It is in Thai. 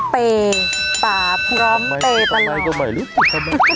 เต่ปาพร้อมเต่ตลอด